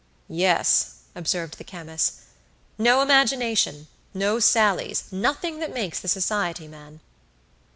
"Yes," observed the chemist; "no imagination, no sallies, nothing that makes the society man."